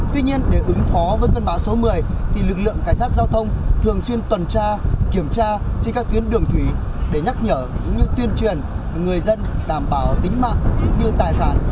tuy nhiên để ứng phó với cơn bão số một mươi thì lực lượng cảnh sát giao thông thường xuyên tuần tra kiểm tra trên các tuyến đường thủy để nhắc nhở cũng như tuyên truyền người dân đảm bảo tính mạng cũng như tài sản